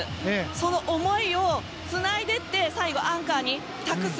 その思いをつないでいって最後、アンカーに託す